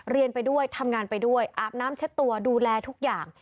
เรียนไปด้วยทำงานไปด้วยอาบน้ำเช็ดตัวดูแลทุกอย่าง